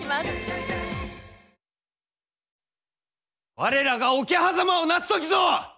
我らが桶狭間をなす時ぞ！